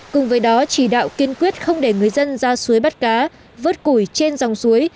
cùng với đó chỉ đạo kiên quyết không để người dân ra suối bắt cá vớt củi trên dòng suối